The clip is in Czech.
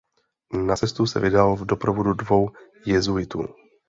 Na cestu se vydal v doprovodu dvou jezuitů.